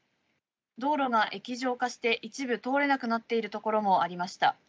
道路が液状化して一部通れなくなっているところもありました。